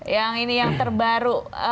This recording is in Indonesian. yang ini yang terbaru